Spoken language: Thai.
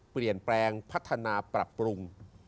เปลี่ยนแปลงพัฒนาปรับปรุง